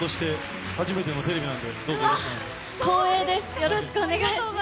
よろしくお願いします。